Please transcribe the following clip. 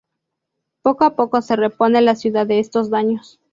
Poco a poco se repone la ciudad de estos daños.